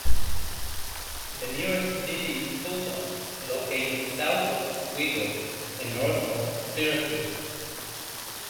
The nearest city is Fulton, located south of Oswego and north of Syracuse.